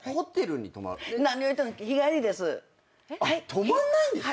泊まんないんですか？